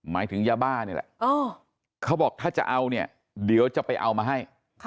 หมายถึงยาบ้านี่แหละเขาบอกถ้าจะเอาเนี่ยเดี๋ยวจะไปเอามาให้